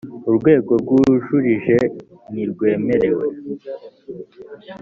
urwego rw ubujurire ntirwemewe